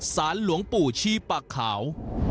สารหลวงปู่ชีปากขาว